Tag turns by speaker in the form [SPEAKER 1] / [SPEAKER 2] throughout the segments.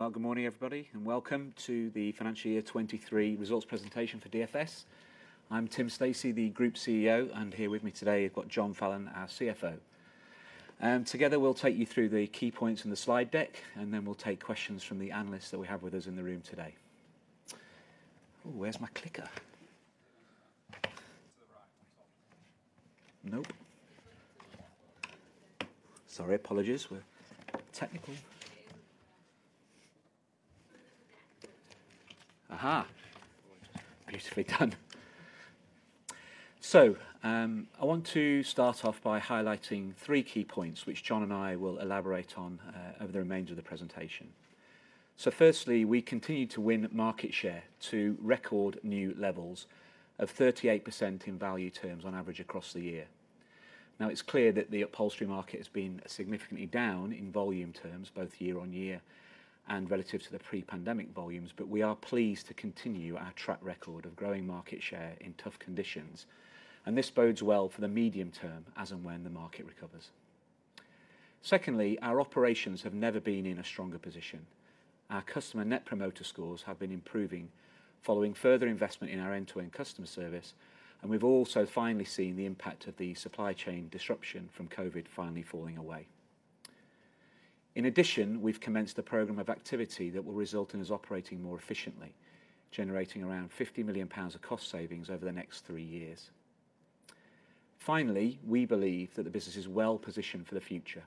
[SPEAKER 1] Well, good morning, everybody, and welcome to the financial year 2023 results presentation for DFS. I'm Tim Stacey, the Group CEO, and here with me today, I've got John Fallon, our CFO. And together, we'll take you through the key points in the slide deck, and then we'll take questions from the analysts that we have with us in the room today. Oh, where's my clicker? Nope. Sorry, apologies. We're technical. Aha! Beautifully done. So, I want to start off by highlighting three key points, which John and I will elaborate on over the remainder of the presentation. So firstly, we continued to win market share to record new levels of 38% in value terms on average across the year. Now, it's clear that the upholstery market has been significantly down in volume terms, both year-on-year and relative to the pre-pandemic volumes, but we are pleased to continue our track record of growing market share in tough conditions, and this bodes well for the medium term as and when the market recovers. Secondly, our operations have never been in a stronger position. Our customer Net Promoter Scores have been improving following further investment in our end-to-end customer service, and we've also finally seen the impact of the supply chain disruption from COVID finally falling away. In addition, we've commenced a program of activity that will result in us operating more efficiently, generating around 50 million pounds of cost savings over the next three years. Finally, we believe that the business is well-positioned for the future.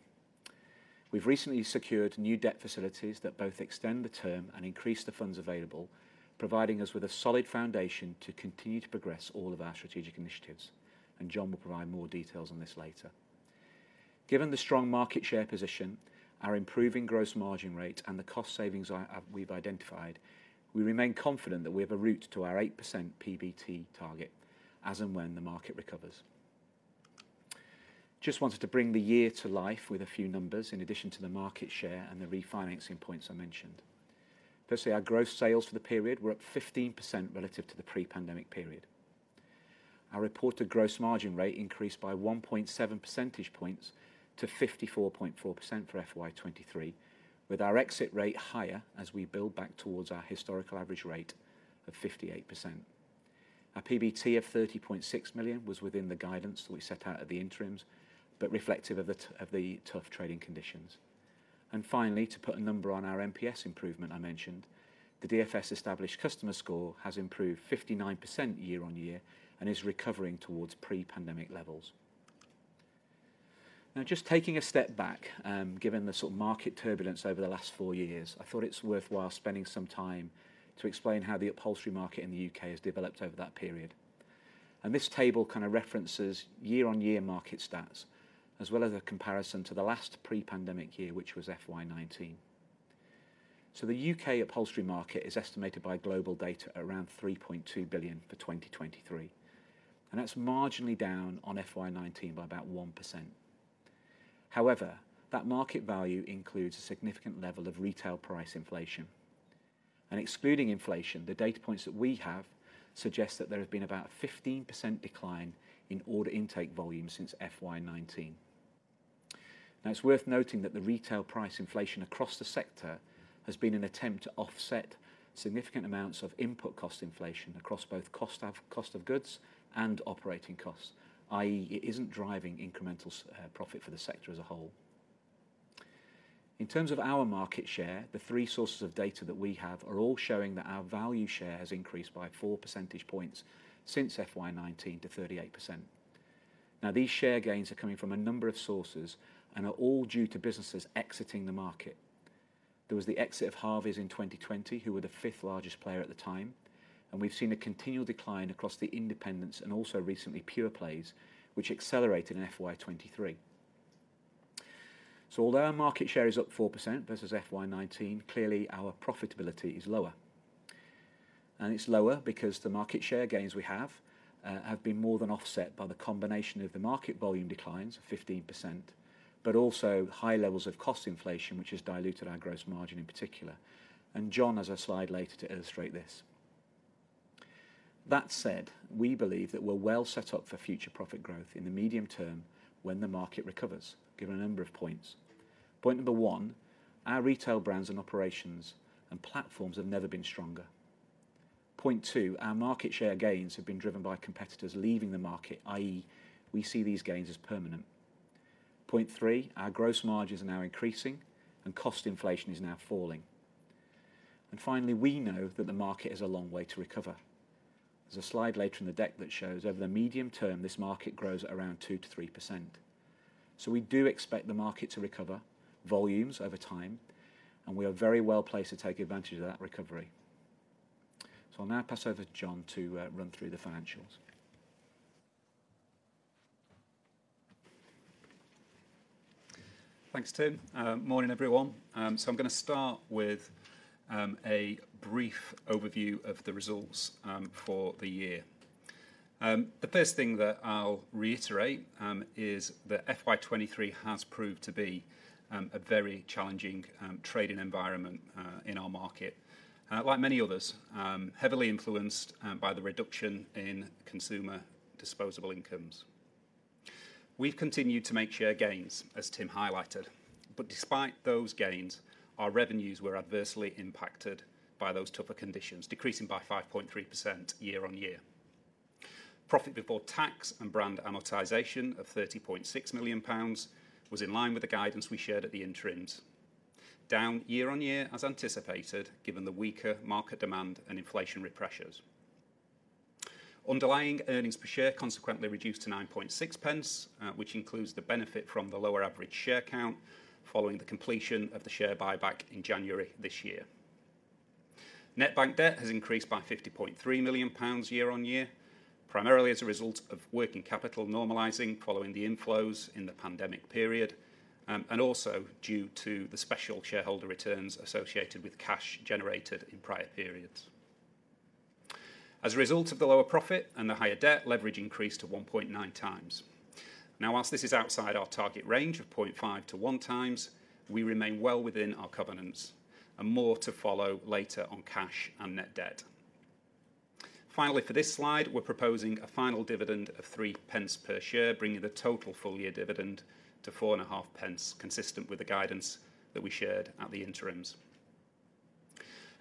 [SPEAKER 1] We've recently secured new debt facilities that both extend the term and increase the funds available, providing us with a solid foundation to continue to progress all of our strategic initiatives, and John will provide more details on this later. Given the strong market share position, our improving gross margin rate, and the cost savings we've identified, we remain confident that we have a route to our 8% PBT target as and when the market recovers. Just wanted to bring the year to life with a few numbers in addition to the market share and the refinancing points I mentioned. Firstly, our gross sales for the period were up 15% relative to the pre-pandemic period. Our reported gross margin rate increased by 1.7 percentage points to 54.4% for FY 2023, with our exit rate higher as we build back towards our historical average rate of 58%. Our PBT of 30.6 million was within the guidance that we set out at the interims, but reflective of the tough trading conditions. Finally, to put a number on our NPS improvement I mentioned, the DFS established customer score has improved 59% year-over-year and is recovering towards pre-pandemic levels. Now, just taking a step back, given the sort of market turbulence over the last four years, I thought it's worthwhile spending some time to explain how the upholstery market in the U.K. has developed over that period. This table kind of references year-over-year market stats, as well as a comparison to the last pre-pandemic year, which was FY 2019. The U.K. upholstery market is estimated by GlobalData at around 3.2 billion for 2023, and that's marginally down on FY 2019 by about 1%. However, that market value includes a significant level of retail price inflation. Excluding inflation, the data points that we have suggest that there has been about a 15% decline in order intake volume since FY 2019. Now, it's worth noting that the retail price inflation across the sector has been an attempt to offset significant amounts of input cost inflation across both cost of goods and operating costs, i.e., it isn't driving incremental profit for the sector as a whole. In terms of our market share, the three sources of data that we have are all showing that our value share has increased by 4 percentage points since FY 2019 to 38%. Now, these share gains are coming from a number of sources and are all due to businesses exiting the market. There was the exit of Harveys in 2020, who were the fifth largest player at the time, and we've seen a continual decline across the independents and also recently pure plays, which accelerated in FY 2023. Although our market share is up 4% versus FY 2019, clearly our profitability is lower. It's lower because the market share gains we have have been more than offset by the combination of the market volume declines of 15%, but also high levels of cost inflation, which has diluted our gross margin in particular, and John has a slide later to illustrate this. That said, we believe that we're well set up for future profit growth in the medium term when the market recovers, given a number of points. Point number one, our retail brands and operations and platforms have never been stronger. Point two, our market share gains have been driven by competitors leaving the market, i.e., we see these gains as permanent. Point three, our gross margins are now increasing, and cost inflation is now falling. And finally, we know that the market has a long way to recover. There's a slide later in the deck that shows over the medium term, this market grows at around 2% to 3%. So we do expect the market to recover volumes over time, and we are very well placed to take advantage of that recovery. So I'll now pass over to John to run through the financials.
[SPEAKER 2] Thanks, Tim. Morning, everyone. So I'm going to start with a brief overview of the results for the year. The first thing that I'll reiterate is that FY 2023 has proved to be a very challenging trading environment in our market. Like many others, heavily influenced by the reduction in consumer disposable incomes. We've continued to make share gains, as Tim highlighted. But despite those gains, our revenues were adversely impacted by those tougher conditions, decreasing by 5.3% year-on-year. Profit before tax and brand amortization of 30.6 million pounds was in line with the guidance we shared at the interims, down year-on-year as anticipated, given the weaker market demand and inflationary pressures. Underlying earnings per share consequently reduced to 9.6 pence, which includes the benefit from the lower average share count following the completion of the share buyback in January this year. Net bank debt has increased by 50.3 million pounds year-on-year, primarily as a result of working capital normalizing following the inflows in the pandemic period, and also due to the special shareholder returns associated with cash generated in prior periods. As a result of the lower profit and the higher debt, leverage increased to 1.9x Now, while this is outside our target range of 0.5x-1x, we remain well within our covenants, and more to follow later on cash and net debt. Finally, for this slide, we're proposing a final dividend of 0.03 per share, bringing the total full year dividend to 0.045, consistent with the guidance that we shared at the interims.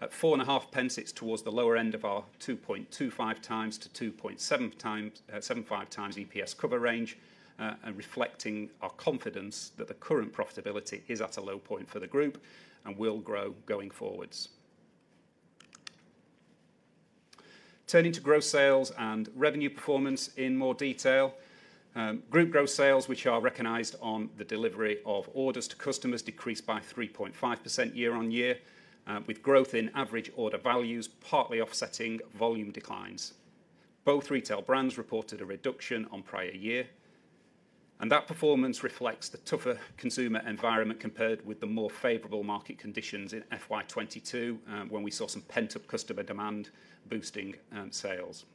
[SPEAKER 2] At 0.045, it's towards the lower end of our 2.25x-2.75x EPS cover range, and reflecting our confidence that the current profitability is at a low point for the group and will grow going forwards. Turning to gross sales and revenue performance in more detail, group gross sales, which are recognized on the delivery of orders to customers, decreased by 3.5% year-on-year, with growth in average order values partly offsetting volume declines. Both retail brands reported a reduction on prior year, and that performance reflects the tougher consumer environment compared with the more favorable market conditions in FY 2022, when we saw some pent-up customer demand boosting sales.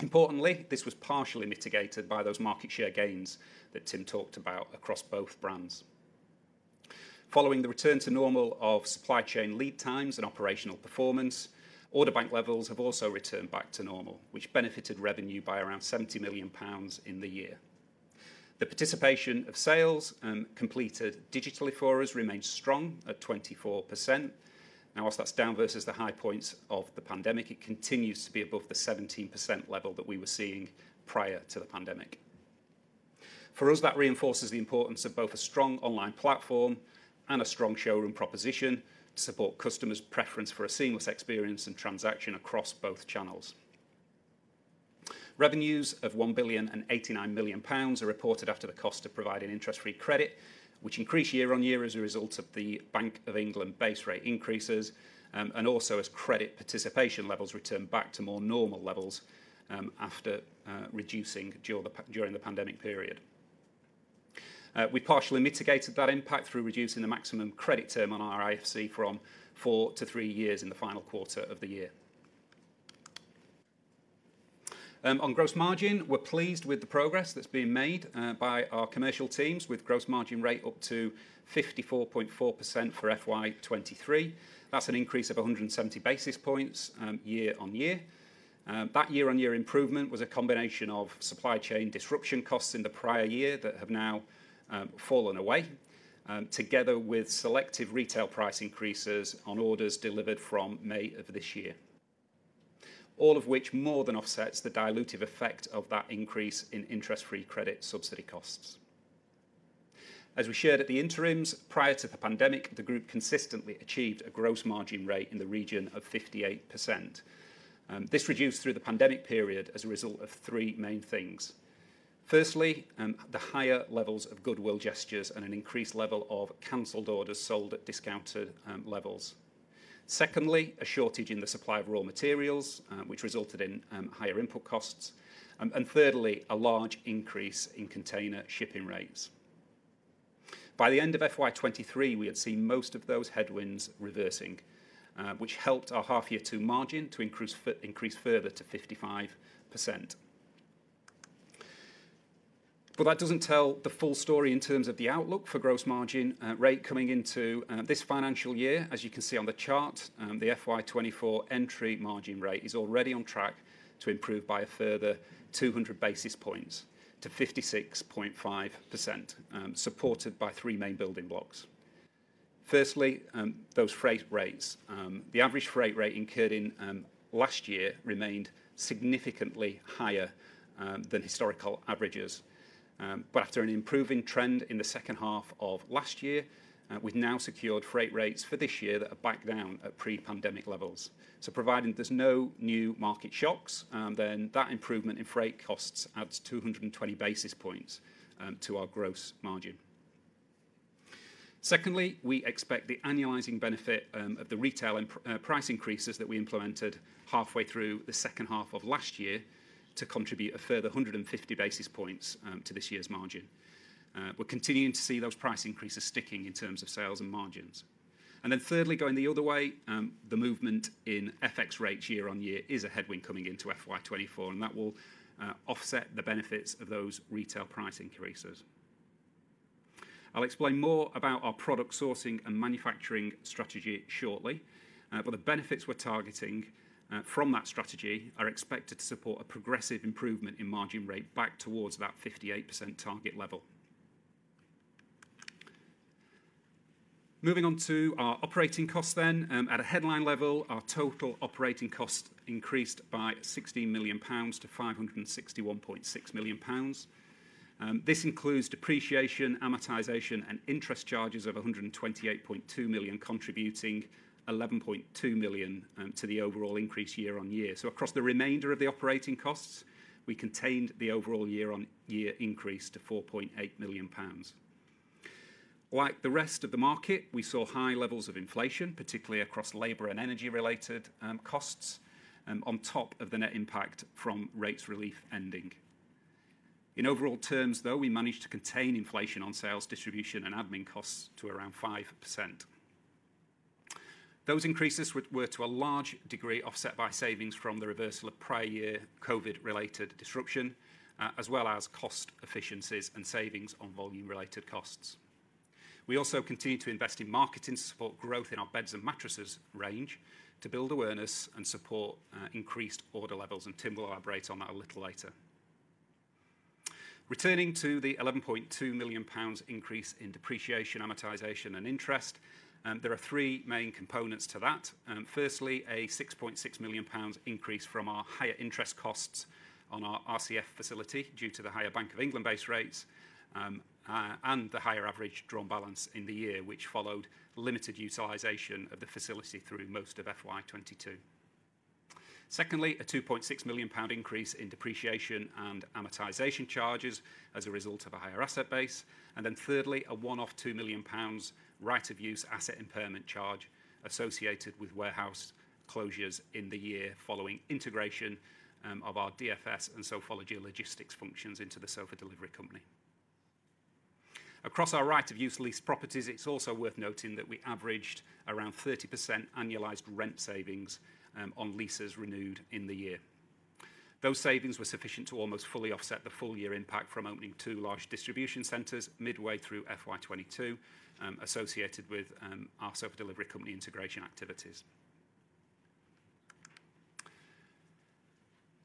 [SPEAKER 2] Importantly, this was partially mitigated by those market share gains that Tim talked about across both brands. Following the return to normal of supply chain lead times and operational performance, order bank levels have also returned back to normal, which benefited revenue by around 70 million pounds in the year. The participation of sales completed digitally for us remains strong at 24%. Now, while that's down versus the high points of the pandemic, it continues to be above the 17% level that we were seeing prior to the pandemic. For us, that reinforces the importance of both a strong online platform and a strong showroom proposition to support customers' preference for a seamless experience and transaction across both channels. Revenues of 1,089 million pounds are reported after the cost of providing interest-free credit, which increased year-on-year as a result of the Bank of England base rate increases, and also as credit participation levels returned back to more normal levels, after reducing during the pandemic period. We partially mitigated that impact through reducing the maximum credit term on our IFC from four to three years in the final quarter of the year. On gross margin, we're pleased with the progress that's been made by our commercial teams, with gross margin rate up to 54.4% for FY 2023. That's an increase of 170 basis points, year-on-year. That year-on-year improvement was a combination of supply chain disruption costs in the prior year that have now fallen away, together with selective retail price increases on orders delivered from May of this year. All of which more than offsets the dilutive effect of that increase in interest-free credit subsidy costs. As we shared at the interims, prior to the pandemic, the group consistently achieved a gross margin rate in the region of 58%. This reduced through the pandemic period as a result of three main things. Firstly, the higher levels of goodwill gestures and an increased level of canceled orders sold at discounted levels. Secondly, a shortage in the supply of raw materials, which resulted in higher input costs. Thirdly, a large increase in container shipping rates. By the end of FY 2023, we had seen most of those headwinds reversing, which helped our half year two margin to increase further to 55%. That does not tell the full story in terms of the outlook for gross margin rate coming into this financial year. As you can see on the chart, the FY 2024 entry margin rate is already on track to improve by a further 200 basis points to 56.5%, supported by three main building blocks. Firstly, those freight rates. The average freight rate incurred in last year remained significantly higher than historical averages. But after an improving trend in the second half of last year, we've now secured freight rates for this year that are back down at pre-pandemic levels. So providing there's no new market shocks, then that improvement in freight costs adds 220 basis points to our gross margin. Secondly, we expect the annualizing benefit of the retail and price increases that we implemented halfway through the second half of last year to contribute a further 150 basis points to this year's margin. We're continuing to see those price increases sticking in terms of sales and margins. Then thirdly, going the other way, the movement in FX rates year-over-year is a headwind coming into FY 2024, and that will offset the benefits of those retail price increases. I'll explain more about our product sourcing and manufacturing strategy shortly. But the benefits we're targeting from that strategy are expected to support a progressive improvement in margin rate back towards that 58% target level. Moving on to our operating costs then. At a headline level, our total operating cost increased by 60 million pounds to 561.6 million pounds. This includes depreciation, amortization, and interest charges of 128.2 million, contributing 11.2 million to the overall increase year-on-year. So across the remainder of the operating costs, we contained the overall year-on-year increase to 4.8 million pounds. Like the rest of the market, we saw high levels of inflation, particularly across labor and energy-related costs, on top of the net impact from rates relief ending. In overall terms, though, we managed to contain inflation on sales, distribution, and admin costs to around 5%. Those increases were, to a large degree, offset by savings from the reversal of prior year COVID-related disruption, as well as cost efficiencies and savings on volume-related costs. We also continued to invest in marketing to support growth in our Beds & Mattresses range, to build awareness and support increased order levels, and Tim will elaborate on that a little later. Returning to the 11.2 million pounds increase in depreciation, amortization, and interest, there are three main components to that. Firstly, a 6.6 million pounds increase from our higher interest costs on our RCF facility due to the higher Bank of England base rates, and the higher average drawn balance in the year, which followed limited utilization of the facility through most of FY 2022. Secondly, a 2.6 million pound increase in depreciation and amortization charges as a result of a higher asset base. Thirdly, a one-off 2 million pounds right of use asset impairment charge associated with warehouse closures in the year following integration of our DFS and Sofology logistics functions into The Sofa Delivery Company. Across our right of use lease properties, it's also worth noting that we averaged around 30% annualized rent savings on leases renewed in the year. Those savings were sufficient to almost fully offset the full year impact from opening two large distribution centers midway through FY 2022, associated with our Sofa Delivery Company integration activities.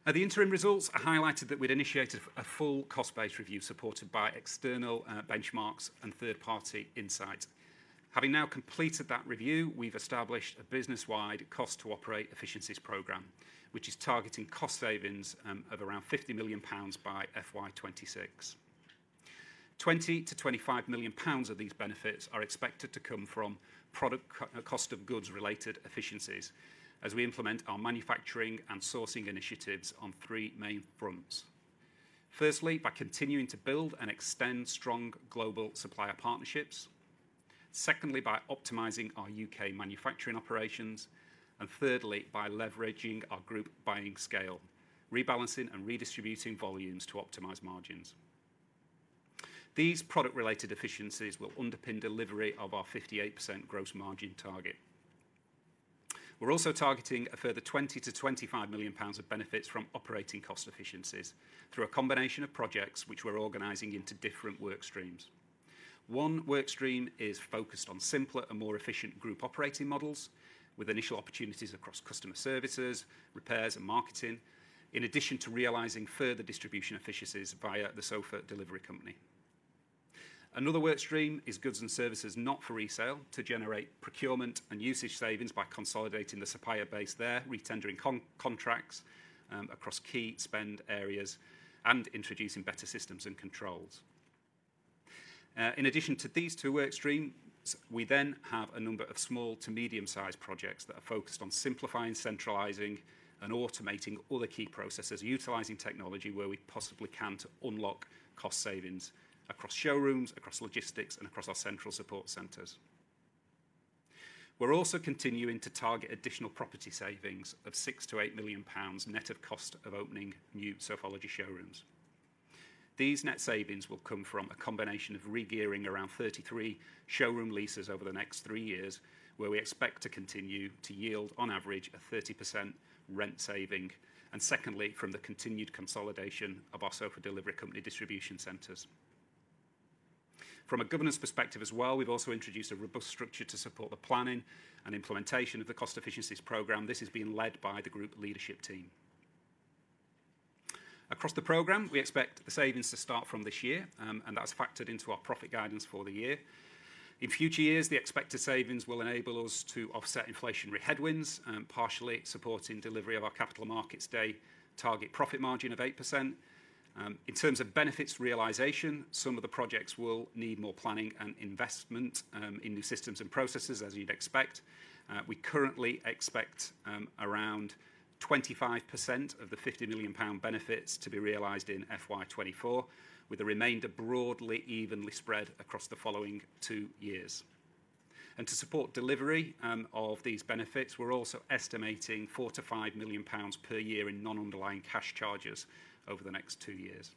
[SPEAKER 2] At the interim results, I highlighted that we'd initiated a full cost-based review, supported by external benchmarks and third-party insight. Having now completed that review, we've established a business-wide cost to operate efficiencies program, which is targeting cost savings of around 50 million pounds by FY 2026. 20 million-25 million pounds of these benefits are expected to come from product cost of goods-related efficiencies, as we implement our manufacturing and sourcing initiatives on three main fronts. Firstly, by continuing to build and extend strong global supplier partnerships. Secondly, by optimizing our U.K. manufacturing operations. And thirdly, by leveraging our group buying scale, rebalancing and redistributing volumes to optimize margins. These product-related efficiencies will underpin delivery of our 58% gross margin target. We're also targeting a further 20 million-25 million pounds of benefits from operating cost efficiencies through a combination of projects which we're organizing into different work streams. One work stream is focused on simpler and more efficient group operating models, with initial opportunities across customer services, repairs, and marketing, in addition to realizing further distribution efficiencies via The Sofa Delivery Company. Another work stream is Goods and Services Not for Resale, to generate procurement and usage savings by consolidating the supplier base there, re-tendering contracts across key spend areas, and introducing better systems and controls. In addition to these two work streams, we then have a number of small to medium-sized projects that are focused on simplifying, centralizing, and automating other key processes, utilizing technology where we possibly can to unlock cost savings across showrooms, across logistics, and across our central support centers. We're also continuing to target additional property savings of 6 million-8 million pounds, net of cost of opening new Sofology showrooms. These net savings will come from a combination of regearing around 33 showroom leases over the next three years, where we expect to continue to yield, on average, a 30% rent saving, and secondly, from the continued consolidation of our Sofa Delivery Company distribution centers. From a governance perspective as well, we've also introduced a robust structure to support the planning and implementation of the cost efficiencies program. This is being led by the group leadership team. Across the program, we expect the savings to start from this year, and that's factored into our profit guidance for the year. In future years, the expected savings will enable us to offset inflationary headwinds, partially supporting delivery of our Capital Markets Day target profit margin of 8%. In terms of benefits realization, some of the projects will need more planning and investment in new systems and processes, as you'd expect. We currently expect around 25% of the 50 million pound benefits to be realized in FY 2024, with the remainder broadly evenly spread across the following two years. To support delivery of these benefits, we're also estimating 4 million-5 million pounds per year in non-underlying cash charges over the next two years.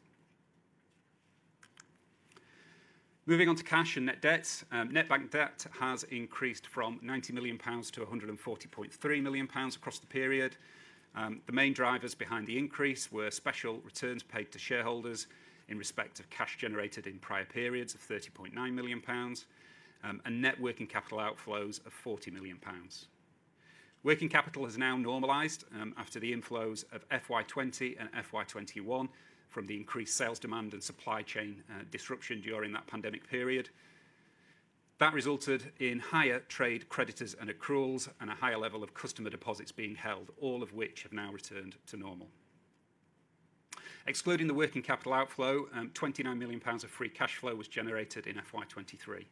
[SPEAKER 2] Moving on to cash and net debts. Net bank debt has increased from 90 million pounds to 140.3 million pounds across the period. The main drivers behind the increase were special returns paid to shareholders in respect of cash generated in prior periods of 30.9 million pounds, and net working capital outflows of 40 million pounds. Working capital has now normalized, after the inflows of FY 2020 and FY 2021 from the increased sales demand and supply chain disruption during that pandemic period. That resulted in higher trade creditors and accruals, and a higher level of customer deposits being held, all of which have now returned to normal. Excluding the working capital outflow, 29 million pounds of free cashflow was generated in FY 2023.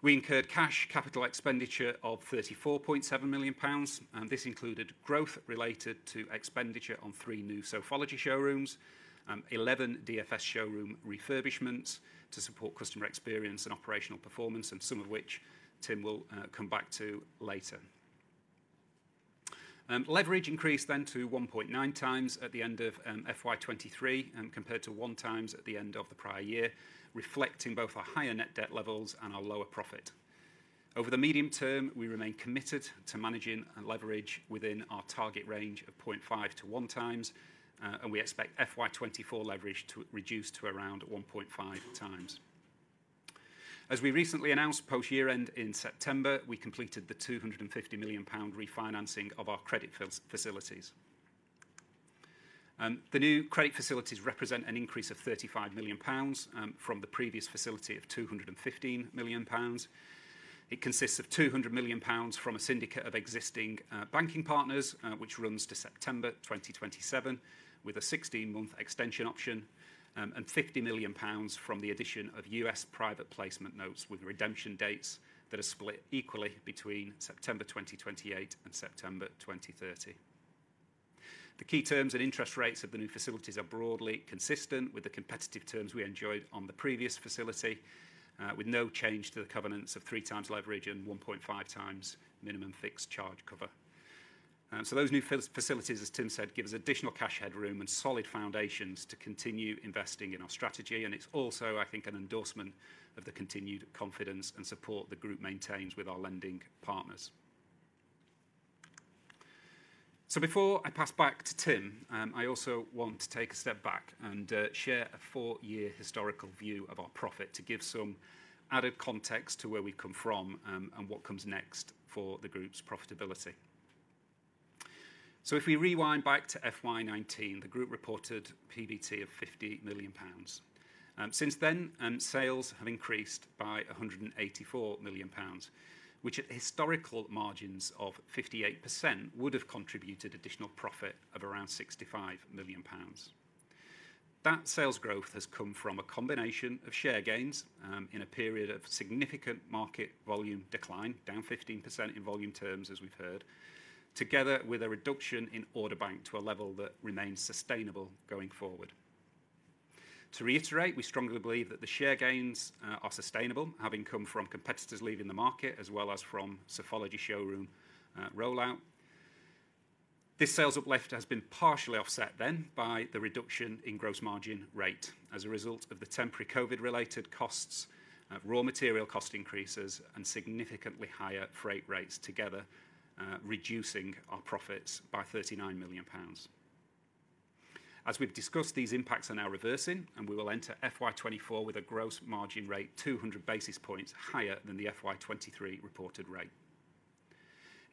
[SPEAKER 2] We incurred cash capital expenditure of 34.7 million pounds, and this included growth related to expenditure on three new Sofology showrooms, 11 DFS showroom refurbishments to support customer experience and operational performance, and some of which Tim will come back to later. Leverage increased then to 1.9x at the end of FY 2023, compared to 1x at the end of the prior year, reflecting both our higher net debt levels and our lower profit. Over the medium term, we remain committed to managing and leverage within our target range of 0.5x-1x, and we expect FY 2024 leverage to reduce to around 1.5x. As we recently announced, post-year end in September, we completed the 250 million pound refinancing of our credit facilities. The new credit facilities represent an increase of 35 million pounds from the previous facility of 215 million pounds. It consists of 200 million pounds from a syndicate of existing banking partners, which runs to September 2027, with a 16-month extension option, and 50 million pounds from the addition of U.S. private placement notes, with redemption dates that are split equally between September 2028 and September 2030. The key terms and interest rates of the new facilities are broadly consistent with the competitive terms we enjoyed on the previous facility, with no change to the covenants of 3x leverage and 1.5x minimum fixed charge cover. So those new facilities, as Tim said, give us additional cash headroom and solid foundations to continue investing in our strategy, and it's also, I think, an endorsement of the continued confidence and support the group maintains with our lending partners. So before I pass back to Tim, I also want to take a step back and share a four-year historical view of our profit, to give some added context to where we've come from and what comes next for the group's profitability. So if we rewind back to FY 2019, the group reported PBT of 50 million pounds. Since then, sales have increased by 184 million pounds, which at historical margins of 58%, would have contributed additional profit of around 65 million pounds. That sales growth has come from a combination of share gains in a period of significant market volume decline, down 15% in volume terms, as we've heard, together with a reduction in order bank to a level that remains sustainable going forward. To reiterate, we strongly believe that the share gains are sustainable, having come from competitors leaving the market, as well as from Sofology showroom rollout. This sales uplift has been partially offset then by the reduction in gross margin rate as a result of the temporary COVID-related costs, raw material cost increases, and significantly higher freight rates together, reducing our profits by 39 million pounds. As we've discussed, these impacts are now reversing, and we will enter FY 2024 with a gross margin rate 200 basis points higher than the FY 2023 reported rate.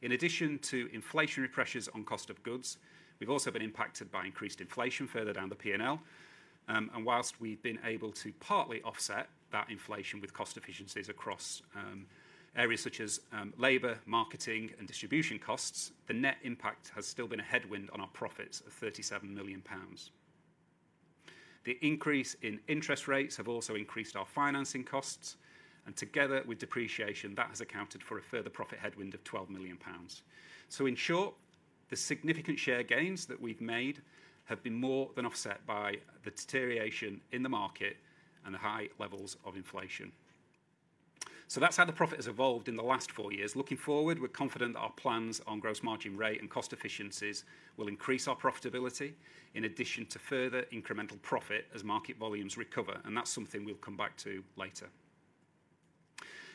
[SPEAKER 2] In addition to inflationary pressures on cost of goods, we've also been impacted by increased inflation further down the P&L. And while we've been able to partly offset that inflation with cost efficiencies across areas such as labor, marketing, and distribution costs, the net impact has still been a headwind on our profits of 37 million pounds. The increase in interest rates have also increased our financing costs, and together with depreciation, that has accounted for a further profit headwind of 12 million pounds. So in short, the significant share gains that we've made have been more than offset by the deterioration in the market and the high levels of inflation. So that's how the profit has evolved in the last four years. Looking forward, we're confident that our plans on gross margin rate and cost efficiencies will increase our profitability, in addition to further incremental profit as market volumes recover, and that's something we'll come back to later.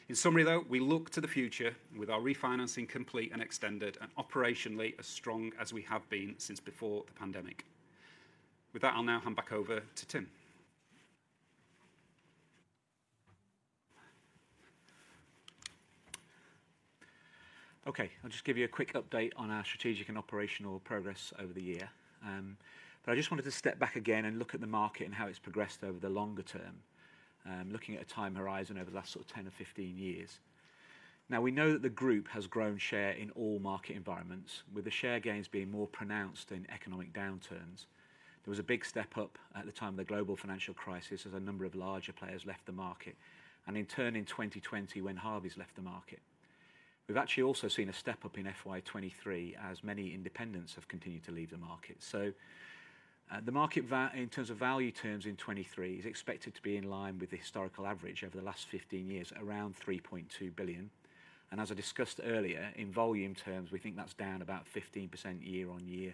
[SPEAKER 2] In summary, though, we look to the future with our refinancing complete and extended and operationally as strong as we have been since before the pandemic. With that, I'll now hand back over to Tim.
[SPEAKER 1] Okay, I'll just give you a quick update on our strategic and operational progress over the year. But I just wanted to step back again and look at the market and how it's progressed over the longer term, looking at a time horizon over the last sort of 10 or 15 years. Now, we know that the group has grown share in all market environments, with the share gains being more pronounced in economic downturns. There was a big step up at the time of the global financial crisis, as a number of larger players left the market, and in turn, in 2020, when Harveys left the market. We've actually also seen a step up in FY 2023, as many independents have continued to leave the market. So, the market in terms of value terms in 2023, is expected to be in line with the historical average over the last 15 years, around 3.2 billion. And as I discussed earlier, in volume terms, we think that's down about 15% year-on-year,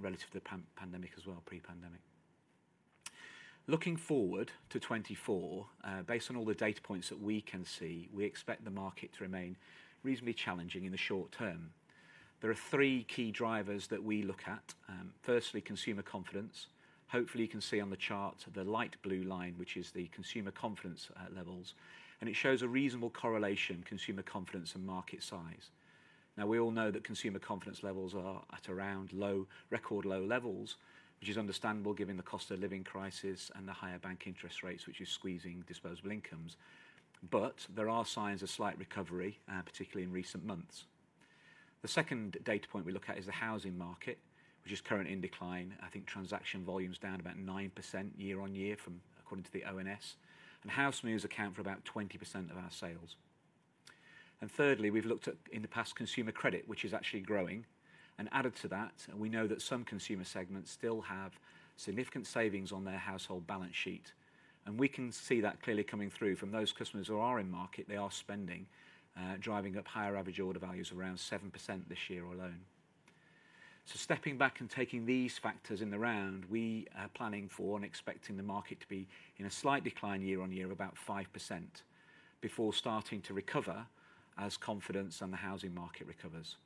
[SPEAKER 1] relative to the post-pandemic as well, pre-pandemic. Looking forward to 2024, based on all the data points that we can see, we expect the market to remain reasonably challenging in the short term. There are three key drivers that we look at. Firstly, consumer confidence. Hopefully, you can see on the chart the light blue line, which is the consumer confidence levels, and it shows a reasonable correlation, consumer confidence and market size. Now, we all know that consumer confidence levels are at around low, record low levels, which is understandable given the cost of living crisis and the higher bank interest rates, which is squeezing disposable incomes. But there are signs of slight recovery, particularly in recent months. The second data point we look at is the housing market, which is currently in decline. I think transaction volume is down about 9% year-on-year from, according to the ONS, and house movers account for about 20% of our sales. And thirdly, we've looked at, in the past, consumer credit, which is actually growing. And added to that, we know that some consumer segments still have significant savings on their household balance sheet, and we can see that clearly coming through from those customers who are in market, they are spending, driving up higher average order values around 7% this year alone. So stepping back and taking these factors in the round, we are planning for and expecting the market to be in a slight decline year-on-year, about 5%, before starting to recover as confidence on the housing market recovers.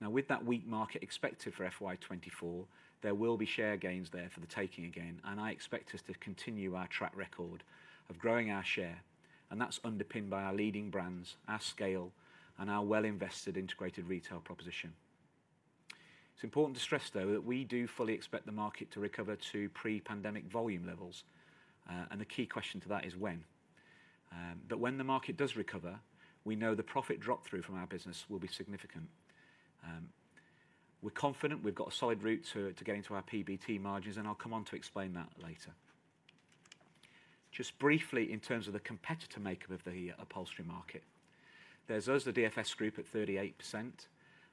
[SPEAKER 1] Now, with that weak market expected for FY 2024, there will be share gains there for the taking again, and I expect us to continue our track record of growing our share, and that's underpinned by our leading brands, our scale, and our well-invested integrated retail proposition. It's important to stress, though, that we do fully expect the market to recover to pre-pandemic volume levels, and the key question to that is when? But when the market does recover, we know the profit drop-through from our business will be significant. We're confident we've got a solid route to getting to our PBT margins, and I'll come on to explain that later. Just briefly, in terms of the competitor makeup of the upholstery market, there's us, the DFS Group, at 38%.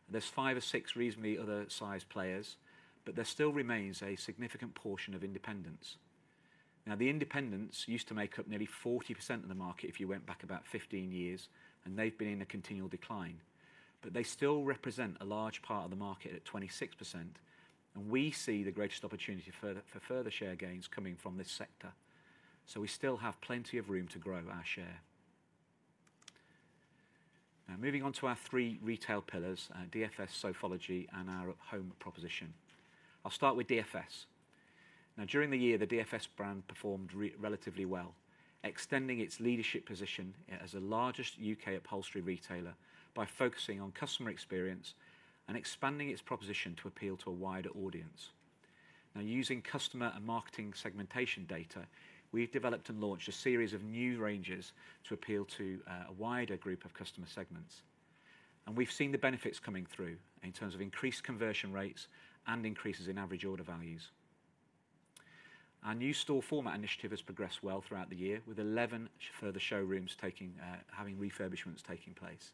[SPEAKER 1] There's five or six reasonably other sized players, but there still remains a significant portion of independents. Now, the independents used to make up nearly 40% of the market if you went back about 15 years, and they've been in a continual decline. But they still represent a large part of the market at 26%, and we see the greatest opportunity further for further share gains coming from this sector. So we still have plenty of room to grow our share. Now, moving on to our three retail pillars, DFS, Sofology, and our Home proposition. I'll start with DFS. Now, during the year, the DFS brand performed relatively well, extending its leadership position as the largest U.K. upholstery retailer by focusing on customer experience and expanding its proposition to appeal to a wider audience. Now, using customer and marketing segmentation data, we've developed and launched a series of new ranges to appeal to a wider group of customer segments. And we've seen the benefits coming through in terms of increased conversion rates and increases in average order values. Our new store format initiative has progressed well throughout the year, with 11 further showrooms having refurbishments taking place.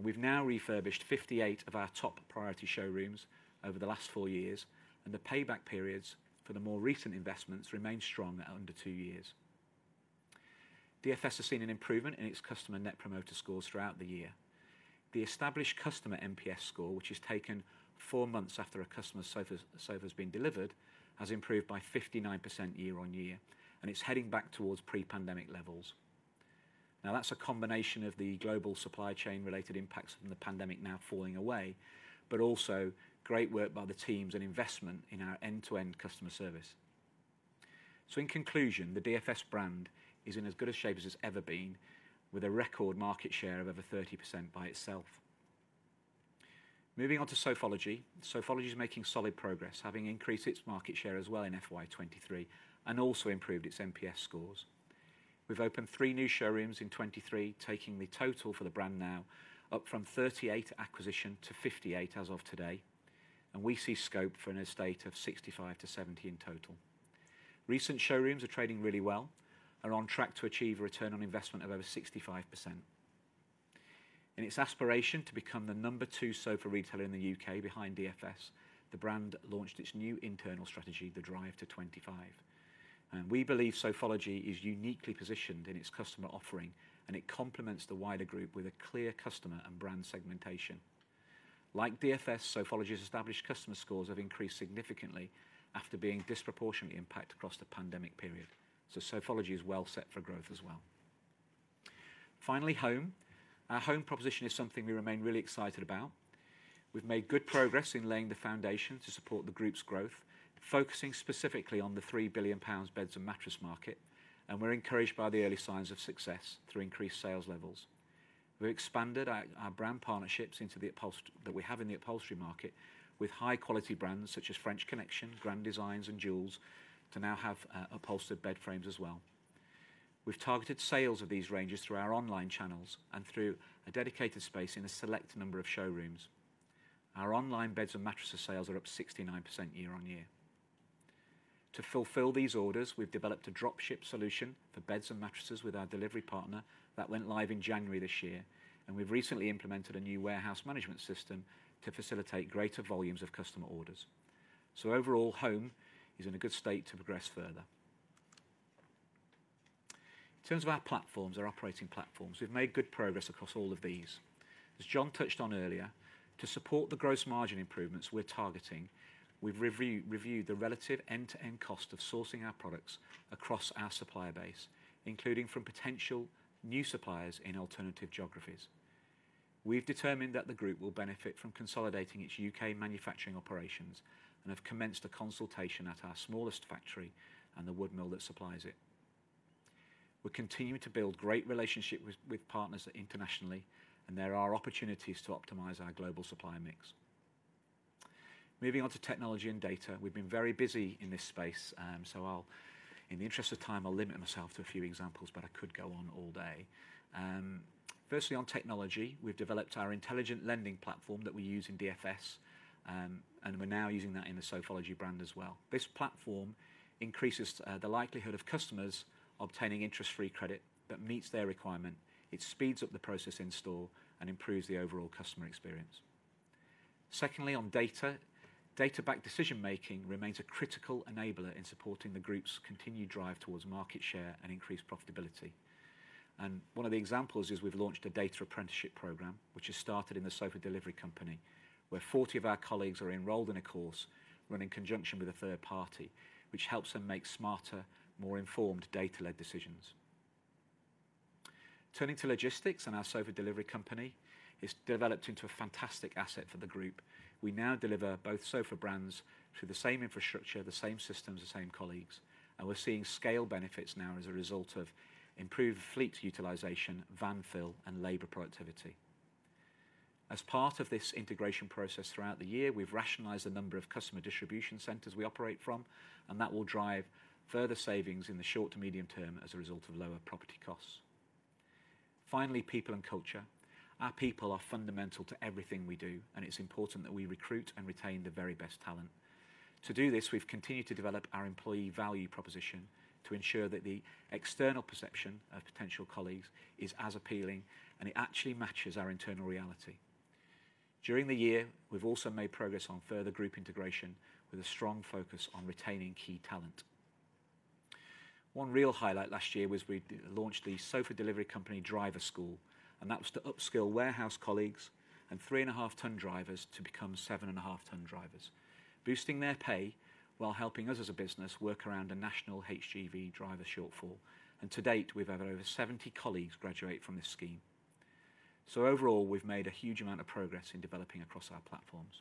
[SPEAKER 1] We've now refurbished 58 of our top priority showrooms over the last four years, and the payback periods for the more recent investments remain strong at under two years. DFS has seen an improvement in its customer Net Promoter scores throughout the year. The established customer NPS score, which is taken four months after a customer's sofa has been delivered, has improved by 59% year-on-year, and it's heading back towards pre-pandemic levels. Now, that's a combination of the global supply chain-related impacts from the pandemic now falling away, but also great work by the teams and investment in our end-to-end customer service. So in conclusion, the DFS brand is in as good a shape as it's ever been, with a record market share of over 30% by itself. Moving on to Sofology. Sofology is making solid progress, having increased its market share as well in FY 2023 and also improved its NPS scores. We've opened three new showrooms in 2023, taking the total for the brand now up from 38 acquisition to 58 as of today, and we see scope for an estate of 65 to 70 in total. Recent showrooms are trading really well, are on track to achieve a return on investment of over 65%. In its aspiration to become the number two sofa retailer in the U.K. behind DFS, the brand launched its new internal strategy, the "Drive to 25." We believe Sofology is uniquely positioned in its customer offering, and it complements the wider group with a clear customer and brand segmentation. Like DFS, Sofology's established customer scores have increased significantly after being disproportionately impacted across the pandemic period. Sofology is well set for growth as well. Finally, Home. Our Home proposition is something we remain really excited about. We've made good progress in laying the foundation to support the group's growth, focusing specifically on the 3 billion pounds Beds & Mattresses market, and we're encouraged by the early signs of success through increased sales levels. We've expanded our brand partnerships into the upholstery market with high-quality brands such as French Connection, Grand Designs, and Joules to now have upholstered bed frames as well. We've targeted sales of these ranges through our online channels and through a dedicated space in a select number of showrooms. Our online Beds & Mattresses sales are up 69% year-on-year. To fulfill these orders, we've developed a drop-ship solution for Beds & Mattresses with our delivery partner that went live in January this year, and we've recently implemented a new warehouse management system to facilitate greater volumes of customer orders. So overall, Home is in a good state to progress further. In terms of our platforms, our operating platforms, we've made good progress across all of these. As John touched on earlier, to support the gross margin improvements we're targeting, we've reviewed the relative end-to-end cost of sourcing our products across our supplier base, including from potential new suppliers in alternative geographies. We've determined that the group will benefit from consolidating its U.K. manufacturing operations and have commenced a consultation at our smallest factory and the wood mill that supplies it. We're continuing to build great relationship with partners internationally, and there are opportunities to optimize our global supply mix. Moving on to technology and data, we've been very busy in this space, so I'll, in the interest of time, I'll limit myself to a few examples, but I could go on all day. Firstly, on technology, we've developed our Intelligent Lending Platform that we use in DFS, and we're now using that in the Sofology brand as well. This platform increases the likelihood of customers obtaining interest-free credit that meets their requirement. It speeds up the process in-store and improves the overall customer experience. Secondly, on data, data-backed decision-making remains a critical enabler in supporting the Group's continued drive towards market share and increased profitability. One of the examples is we've launched a data apprenticeship program, which has started in The Sofa Delivery Company, where 40 of our colleagues are enrolled in a course run in conjunction with a third party, which helps them make smarter, more informed data-led decisions. Turning to logistics and our Sofa Delivery Company, it's developed into a fantastic asset for the Group. We now deliver both sofa brands through the same infrastructure, the same systems, the same colleagues, and we're seeing scale benefits now as a result of improved fleet utilization, van fill, and labor productivity. As part of this integration process throughout the year, we've rationalized the number of customer distribution centers we operate from, and that will drive further savings in the short to medium term as a result of lower property costs. Finally, people and culture. Our people are fundamental to everything we do, and it's important that we recruit and retain the very best talent. To do this, we've continued to develop our employee value proposition to ensure that the external perception of potential colleagues is as appealing, and it actually matches our internal reality. During the year, we've also made progress on further group integration, with a strong focus on retaining key talent. One real highlight last year was we launched The Sofa Delivery Company Driver School, and that was to upskill warehouse colleagues and 3.5-tonne drivers to become 7.5-tonne drivers, boosting their pay while helping us as a business work around a national HGV driver shortfall. And to date, we've had over 70 colleagues graduate from this scheme. So overall, we've made a huge amount of progress in developing across our platforms.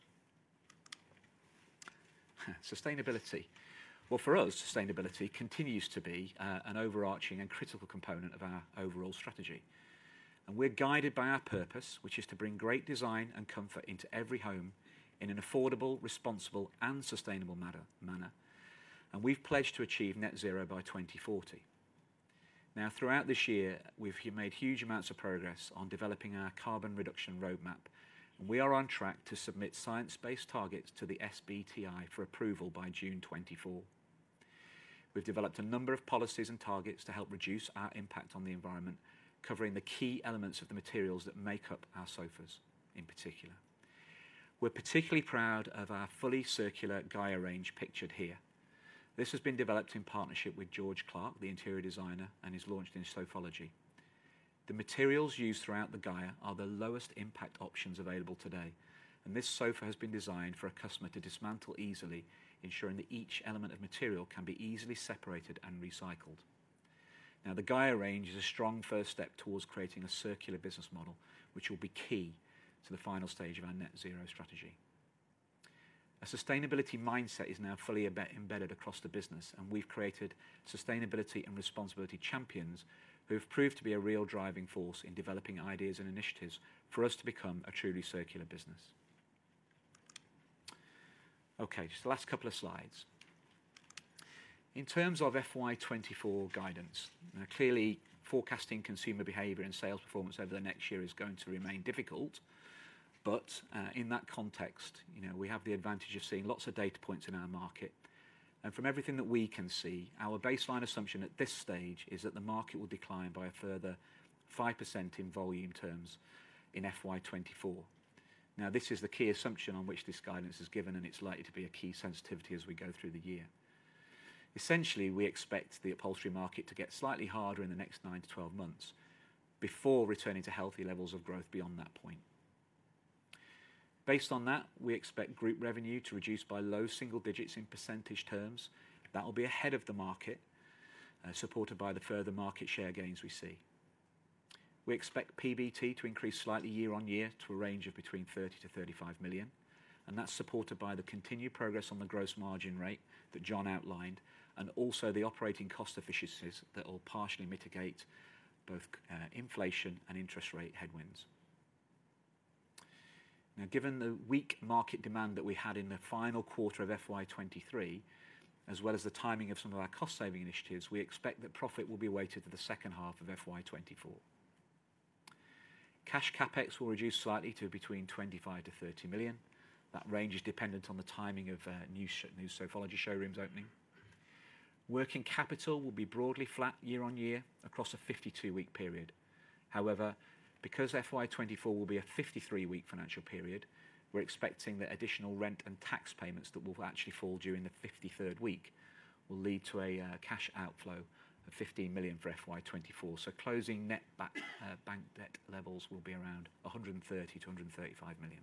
[SPEAKER 1] Sustainability. Well, for us, sustainability continues to be an overarching and critical component of our overall strategy. And we're guided by our purpose, which is to bring great design and comfort into every home in an affordable, responsible, and sustainable manner, and we've pledged to achieve net zero by 2040. Now, throughout this year, we've made huge amounts of progress on developing our carbon reduction roadmap, and we are on track to submit science-based targets to the SBTi for approval by June 2024. We've developed a number of policies and targets to help reduce our impact on the environment, covering the key elements of the materials that make up our sofas in particular. We're particularly proud of our fully circular Gaia range, pictured here. This has been developed in partnership with George Clarke, the interior designer, and is launched in Sofology. The materials used throughout the Gaia are the lowest impact options available today, and this sofa has been designed for a customer to dismantle easily, ensuring that each element of material can be easily separated and recycled. Now, the Gaia range is a strong first step towards creating a circular business model, which will be key to the final stage of our net zero strategy. A sustainability mindset is now fully embedded across the business, and we've created sustainability and responsibility champions who have proved to be a real driving force in developing ideas and initiatives for us to become a truly circular business. Okay, just the last couple of slides. In terms of FY 2024 guidance, now, clearly, forecasting consumer behavior and sales performance over the next year is going to remain difficult, but, you know, we have the advantage of seeing lots of data points in our market. From everything that we can see, our baseline assumption at this stage is that the market will decline by a further 5% in volume terms in FY 2024. Now, this is the key assumption on which this guidance is given, and it's likely to be a key sensitivity as we go through the year. Essentially, we expect the upholstery market to get slightly harder in the next nine to 12 months before returning to healthy levels of growth beyond that point. Based on that, we expect group revenue to reduce by low single digits in percentage terms. That will be ahead of the market, supported by the further market share gains we see. We expect PBT to increase slightly year-on-year to a range of between 30 million-35 million, and that's supported by the continued progress on the gross margin rate that John outlined, and also the operating cost efficiencies that will partially mitigate both, inflation and interest rate headwinds. Now, given the weak market demand that we had in the final quarter of FY 2023, as well as the timing of some of our cost-saving initiatives, we expect that profit will be weighted to the second half of FY 2024. Cash CapEx will reduce slightly to between 25 million-30 million. That range is dependent on the timing of new Sofology showrooms opening. Working capital will be broadly flat year-on-year across a 52-week period. However, because FY 2024 will be a 53-week financial period, we're expecting that additional rent and tax payments that will actually fall during the 53rd week will lead to a cash outflow of 15 million for FY 2024. Closing net bank debt levels will be around 130 million-135 million.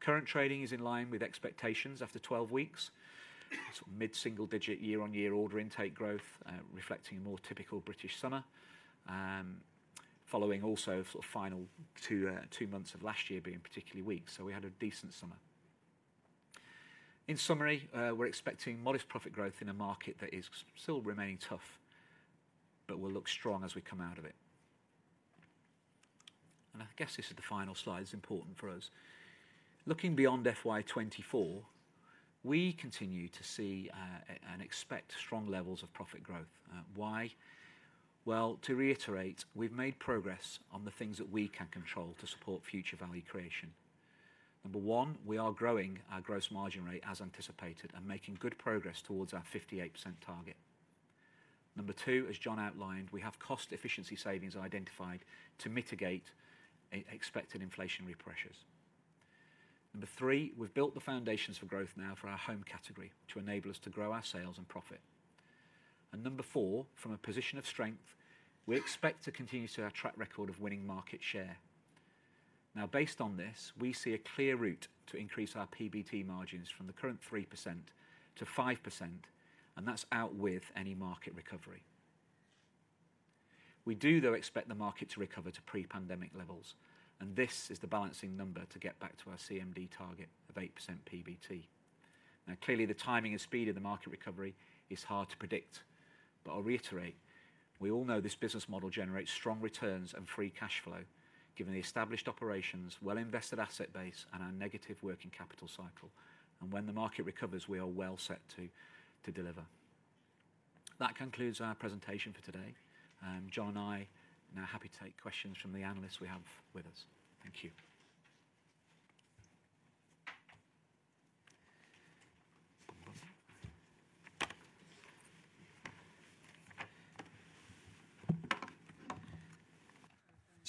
[SPEAKER 1] Current trading is in line with expectations after 12 weeks. Sort of mid-single digit, year-on-year order intake growth, reflecting a more typical British summer. Following also sort of final two months of last year being particularly weak, so we had a decent summer. In summary, we're expecting modest profit growth in a market that is still remaining tough, but will look strong as we come out of it. And I guess this is the final slide, it's important for us. Looking beyond FY 2024, we continue to see and expect strong levels of profit growth. Why? Well, to reiterate, we've made progress on the things that we can control to support future value creation. Number one, we are growing our gross margin rate as anticipated, and making good progress towards our 58% target. Number two, as John outlined, we have cost efficiency savings identified to mitigate expected inflationary pressures. Three, we've built the foundations for growth now for our Home category, to enable us to grow our sales and profit. And four, from a position of strength, we expect to continue our track record of winning market share. Now, based on this, we see a clear route to increase our PBT margins from the current 3% to 5%, and that's without any market recovery. We do, though, expect the market to recover to pre-pandemic levels, and this is the balancing number to get back to our CMD target of 8% PBT. Now, clearly, the timing and speed of the market recovery is hard to predict, but I'll reiterate, we all know this business model generates strong returns and free cash flow, given the established operations, well-invested asset base, and our negative working capital cycle. When the market recovers, we are well set to deliver. That concludes our presentation for today. John and I are now happy to take questions from the analysts we have with us. Thank you.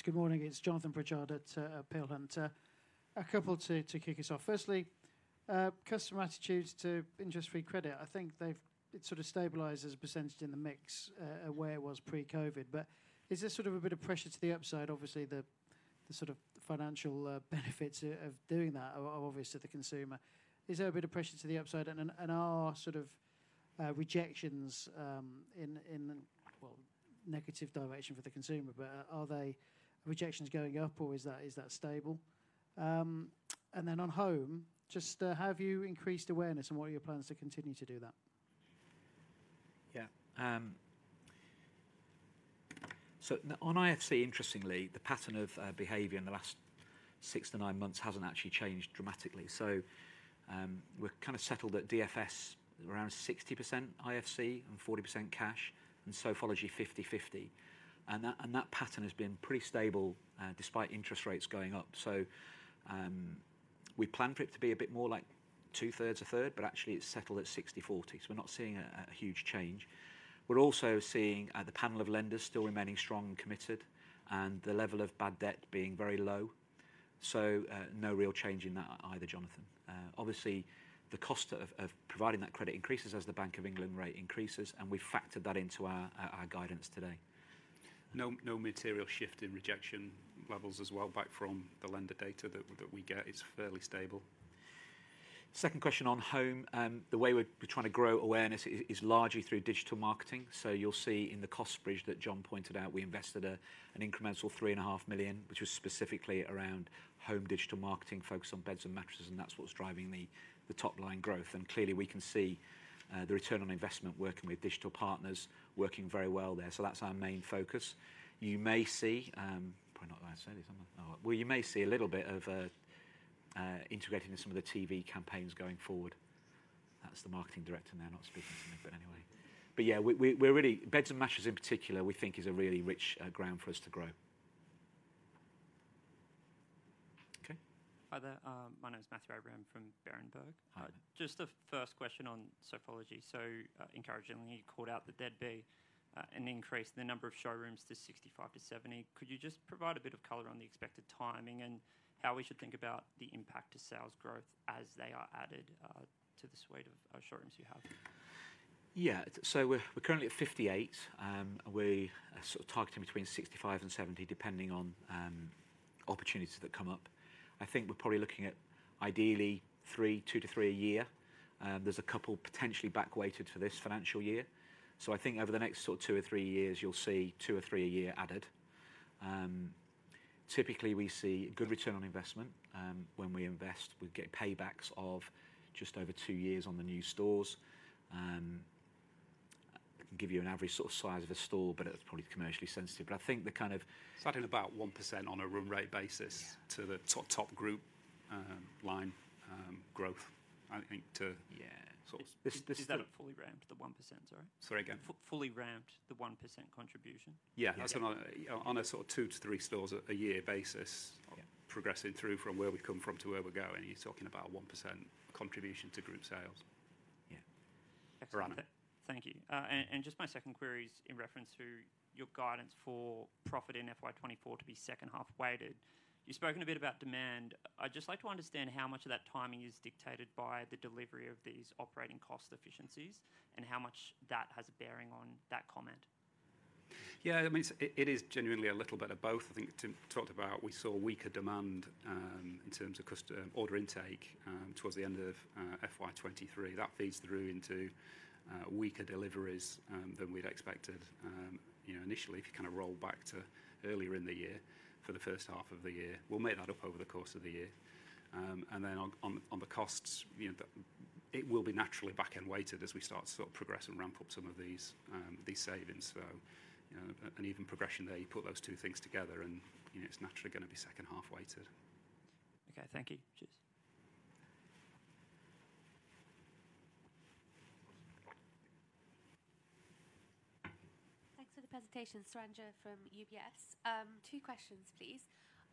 [SPEAKER 3] Good morning, it's Jonathan Pritchard at Peel Hunt. A couple to kick us off. Firstly, customer attitudes to interest-free credit. I think they've sort of stabilized as a percentage in the mix, where it was pre-COVID. Is there sort of a bit of pressure to the upside? Obviously, the sort of financial benefits of doing that are obvious to the consumer. Is there a bit of pressure to the upside, and are rejections, in, well, negative direction for the consumer, but are they rejections going up or is that stable? On Home, just have you increased awareness, and what are your plans to continue to do that?
[SPEAKER 1] Yeah. So on IFC, interestingly, the pattern of behavior in the last six to nine months hasn't actually changed dramatically. So, we're kind of settled at DFS, around 60% IFC and 40% cash, and Sofology 50/50. And that pattern has been pretty stable, despite interest rates going up. So, we planned for it to be a bit more like 2/3, 1/3, but actually it's settled at 60/40. So we're not seeing a huge change. We're also seeing the panel of lenders still remaining strong and committed, and the level of bad debt being very low. So, no real change in that either, Jonathan. Obviously, the cost of providing that credit increases as the Bank of England rate increases, and we've factored that into our guidance today.
[SPEAKER 2] No, no material shift in rejection levels as well, based on the lender data that we get. It's fairly stable.
[SPEAKER 1] Second question on Home. The way we're trying to grow awareness is largely through digital marketing. So you'll see in the cost bridge that John pointed out, we invested an incremental 3.5 million, which was specifically around home digital marketing, focused on Beds & Mattresses, and that's what's driving the top line growth. And clearly, we can see the return on investment working with digital partners, working very well there. So that's our main focus. You may see—probably not allowed to say this, am I? Oh, well, you may see a little bit of integrating with some of the TV campaigns going forward. That's the marketing director now not speaking to me, but anyway. But yeah, we're really— Beds & Mattresses, in particular, we think is a really rich ground for us to grow.
[SPEAKER 2] Okay.
[SPEAKER 4] Hi there. My name is Matthew Abraham from Berenberg.
[SPEAKER 1] Hi.
[SPEAKER 4] Just a first question on Sofology. So, encouragingly, you called out that there'd be an increase in the number of showrooms to 65-70. Could you just provide a bit of color on the expected timing, and how we should think about the impact to sales growth as they are added to the suite of showrooms you have?
[SPEAKER 1] Yeah. So we're currently at 58, and we are sort of targeting between 65-70, depending on opportunities that come up. I think we're probably looking at ideally three, two to three a year. There's a couple potentially back weighted to this financial year. So I think over the next sort of two or three years, you'll see two or three a year added. Typically, we see good return on investment. When we invest, we get paybacks of just over two years on the new stores. I can give you an average sort of size of a store, but that's probably commercially sensitive. But I think the kind of-
[SPEAKER 2] It's adding about 1% on a room rate basis to the top, top group, line, growth, I think, to—
[SPEAKER 4] Yeah.
[SPEAKER 2] —so this—
[SPEAKER 4] Is that at fully ramped, the 1%, sorry?
[SPEAKER 2] Sorry, again.
[SPEAKER 4] Fully ramped, the 1% contribution?
[SPEAKER 2] Yeah.
[SPEAKER 4] Okay.
[SPEAKER 2] That's on a sort of two to three stores a year basis.
[SPEAKER 4] Okay.
[SPEAKER 2] Progressing through from where we come from to where we're going, you're talking about a 1% contribution to group sales.
[SPEAKER 1] Yeah.
[SPEAKER 4] Excellent. Thank you. And just my second query is in reference to your guidance for profit in FY 2024 to be second half weighted. You've spoken a bit about demand. I'd just like to understand how much of that timing is dictated by the delivery of these operating cost efficiencies, and how much that has a bearing on that comment?
[SPEAKER 2] Yeah, I mean, it is genuinely a little bit of both. I think Tim talked about we saw weaker demand in terms of order intake towards the end of FY 2023. That feeds through into weaker deliveries than we'd expected. You know, initially, if you kind of roll back to earlier in the year, for the first half of the year. We'll make that up over the course of the year. And then on the costs, you know, it will be naturally back-end weighted as we start to sort of progress and ramp up some of these savings. So, you know, an even progression there, you put those two things together and, you know, it's naturally going to be second half weighted.
[SPEAKER 4] Okay, thank you. Cheers.
[SPEAKER 5] Thanks for the presentation. Saranja from UBS. Two questions, please.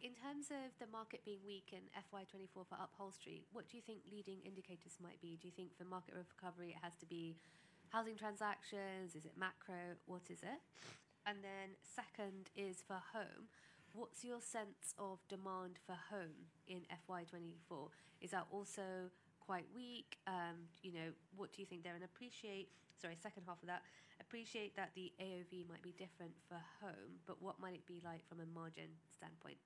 [SPEAKER 5] In terms of the market being weak in FY 2024 for upholstery, what do you think leading indicators might be? Do you think for market recovery, it has to be housing transactions? Is it macro? What is it? Second is for Home. What's your sense of demand for Home in FY 2024? Is that also quite weak? You know, what do you think there? Appreciate, sorry, second half of that, appreciate that the AOV might be different for Home, but what might it be like from a margin standpoint?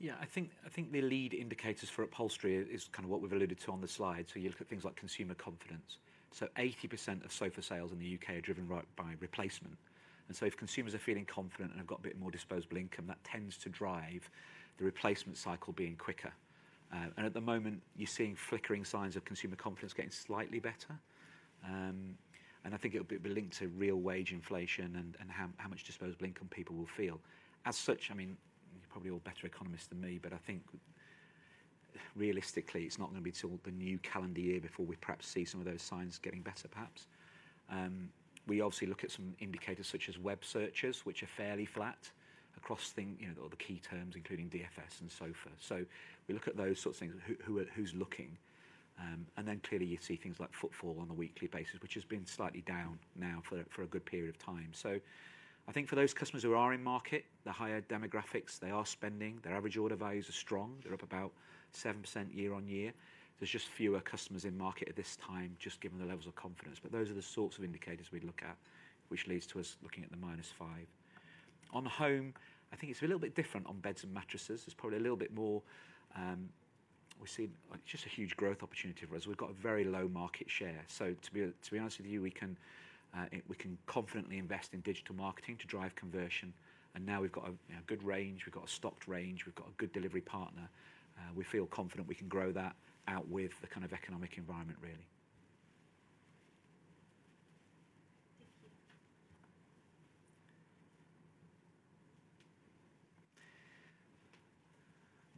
[SPEAKER 1] Yeah, I think, I think the lead indicators for upholstery is kind of what we've alluded to on the slide. So you look at things like consumer confidence. So 80% of sofa sales in the U.K. are driven right by replacement. And so if consumers are feeling confident and have got a bit more disposable income, that tends to drive the replacement cycle being quicker. And at the moment, you're seeing flickering signs of consumer confidence getting slightly better. And I think it'll be linked to real wage inflation and how much disposable income people will feel. As such, I mean, you're probably all better economists than me, but I think realistically, it's not going to be till the new calendar year before we perhaps see some of those signs getting better, perhaps. We obviously look at some indicators, such as web searches, which are fairly flat across thing, you know, all the key terms, including DFS and sofa. So we look at those sorts of things, who's looking? And then clearly, you see things like footfall on a weekly basis, which has been slightly down now for a good period of time. So I think for those customers who are in market, the higher demographics, they are spending, their average order values are strong. They're up about 7% year-on-year. There's just fewer customers in market at this time, just given the levels of confidence. But those are the sorts of indicators we look at, which leads to us looking at the -5. On the Home, I think it's a little bit different on Beds & Mattresses. There's probably a little bit more. We see just a huge growth opportunity for us. We've got a very low market share. So to be honest with you, we can confidently invest in digital marketing to drive conversion, and now we've got a good range, we've got a stocked range, we've got a good delivery partner. We feel confident we can grow that out with the kind of economic environment, really.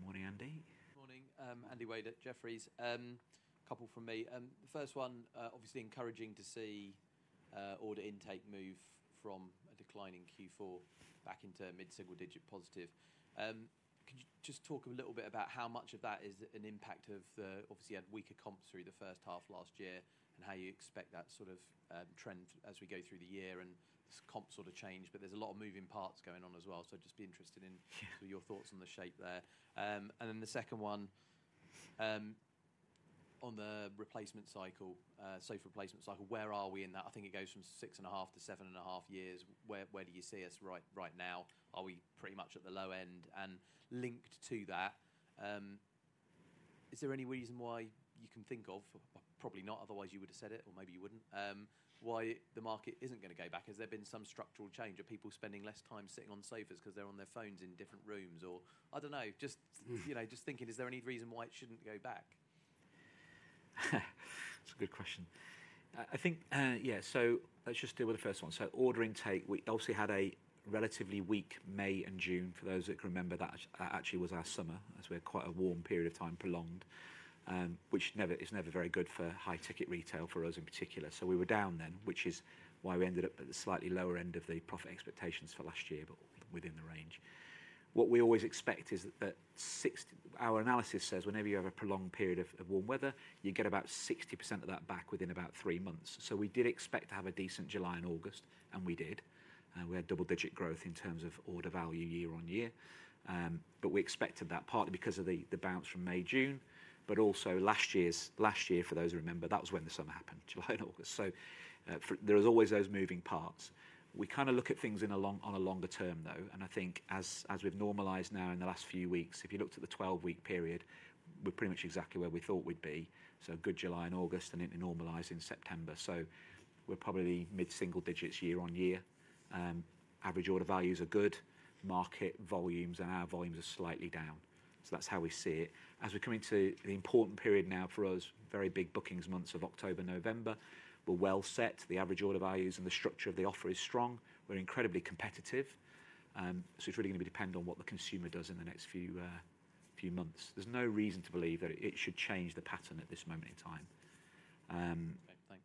[SPEAKER 1] Morning, Andy.
[SPEAKER 6] Morning. Andy Wade at Jefferies. A couple from me. The first one, obviously encouraging to see order intake move from a decline in Q4 back into mid-single digit positive. Could you just talk a little bit about how much of that is an impact of the—obviously, you had weaker comps through the first half last year, and how you expect that sort of trend as we go through the year and this comp sort of change, but there's a lot of moving parts going on as well. Just be interested in—
[SPEAKER 1] Yeah.
[SPEAKER 6] —your thoughts on the shape there. And then the second one, on the replacement cycle, sofa replacement cycle, where are we in that? I think it goes from six and a half to seven and a half years. Where do you see us right now? Are we pretty much at the low end? Linked to that, is there any reason why you can think of, probably not, otherwise you would have said it, or maybe you wouldn't, why the market isn't going to go back? Has there been some structural change? Are people spending less time sitting on sofas because they're on their phones in different rooms? I don't know, just, you know, just thinking, is there any reason why it shouldn't go back?
[SPEAKER 1] It's a good question. I think, yeah, so let's just deal with the first one. So order intake, we obviously had a relatively weak May and June. For those that can remember, that actually was our summer, as we had quite a warm period of time, prolonged, which is never very good for high-ticket retail, for us in particular. So we were down then, which is why we ended up at the slightly lower end of the profit expectations for last year, but within the range. What we always expect is that our analysis says whenever you have a prolonged period of warm weather, you get about 60% of that back within about three months. So we did expect to have a decent July and August, and we did. We had double-digit growth in terms of order value year-over-year. But we expected that partly because of the bounce from May, June, but also last year, for those who remember, that was when the summer happened, July and August. So, there was always those moving parts. We kind of look at things on a longer term, though, and I think as we've normalized now in the last few weeks, if you looked at the 12-week period, we're pretty much exactly where we thought we'd be. So good July and August, and it normalized in September. So we're probably mid-single digits year-on-year. Average order values are good. Market volumes and our volumes are slightly down. So that's how we see it. As we're coming to the important period now for us, very big bookings months of October, November, we're well set. The average order values and the structure of the offer is strong. We're incredibly competitive. So it's really going to depend on what the consumer does in the next few months. There's no reason to believe that it should change the pattern at this moment in time.
[SPEAKER 6] Okay, thanks.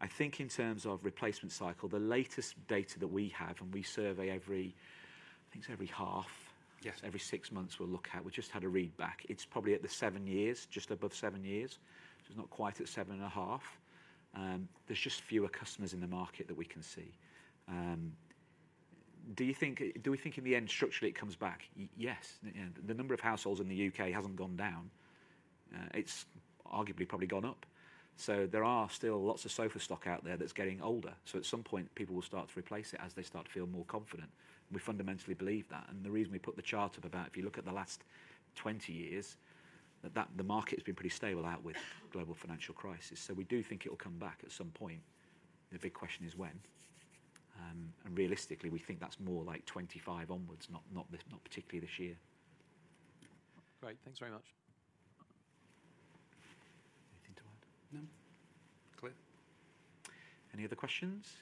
[SPEAKER 1] I think in terms of replacement cycle, the latest data that we have, and we survey every. I think it's every half—
[SPEAKER 2] Yes.
[SPEAKER 1] —every six months, we'll look at. We just had a read back. It's probably at the seven years, just above seven years. So it's not quite at seven and a half. There's just fewer customers in the market that we can see. Do you think, do we think in the end, structurally, it comes back? Yes, in the end. The number of households in the U.K. hasn't gone down. It's arguably probably gone up. So there are still lots of sofa stock out there that's getting older. So at some point, people will start to replace it as they start to feel more confident. We fundamentally believe that, and the reason we put the chart up about if you look at the last 20 years, that the market has been pretty stable out with global financial crisis. We do think it will come back at some point. The big question is when? Realistically, we think that's more like 2025 onwards, not, not particularly this year.
[SPEAKER 6] Great. Thanks very much.
[SPEAKER 1] Anything to add?
[SPEAKER 2] No. Clear.
[SPEAKER 1] Any other questions?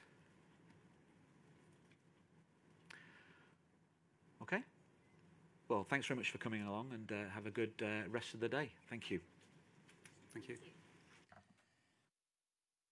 [SPEAKER 1] Okay. Well, thanks very much for coming along, and have a good rest of the day. Thank you.
[SPEAKER 2] Thank you.